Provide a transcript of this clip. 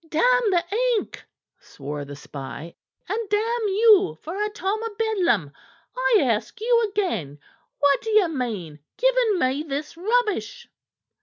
"Damn the ink!" swore the spy. "And damn you for a Tom o' Bedlam! I ask you again what d'ye mean, giving me this rubbish?"